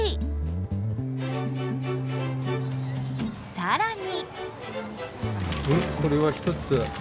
更に。